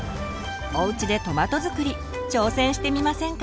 おうちでトマトづくり挑戦してみませんか？